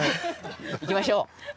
行きましょう！